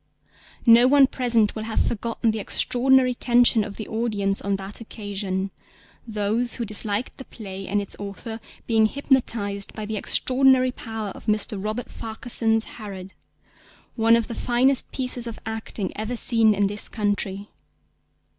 No one present will have forgotten the extraordinary tension of the audience on that occasion, those who disliked the play and its author being hypnotised by the extraordinary power of Mr. Robert Farquharson's Herod, one of the finest pieces of acting ever seen in this country.